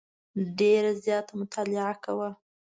ډېره زیاته مطالعه کوله.